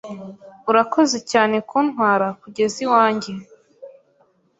Urakoze cyane kuntwara kugeza iwanjye.